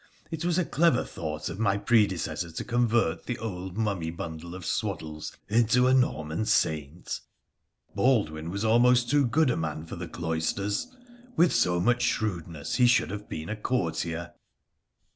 It was a clever thought of my predecessor to convert the old mummy bundle of swaddles into a Norman saint ! PHRA THE PHCENIC1AN III Baldwin was almost too good a man for the cloisters : with so much shrewdness, he should have been a courtier